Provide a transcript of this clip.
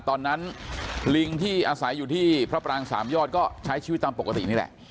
ลิงที่อาศัยอยู่ที่พระปรางสามยอดก็ใช้ชีวิตตามปกตินี่แหละ